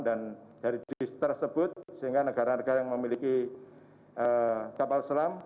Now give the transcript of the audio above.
dan dari distres tersebut sehingga negara negara yang memiliki kapal selam